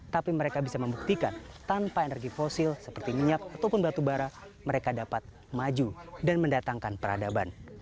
tapi mereka bisa membuktikan tanpa energi fosil seperti minyak ataupun batu bara mereka dapat maju dan mendatangkan peradaban